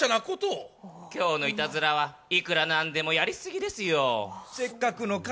今日のいたずらは幾ら何でもやりすぎですよ。